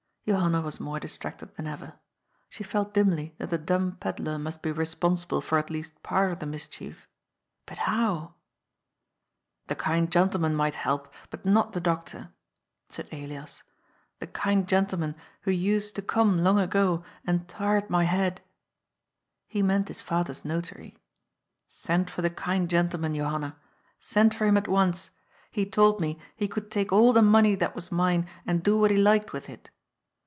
Johanna was more distracted than ever. She felt dimly that the dumb pedlar must be responsible for at least part of the mischief. But how ?" The kind gentleman might help, but not the doctor," said Elias, " the kind gentleman who used to come long ago, and tired my head "— he meant his father's Notary. —" Send for the kind gentleman, Johanna. Send for him at once. He told me he could take all the money that was mine and do what he liked with it.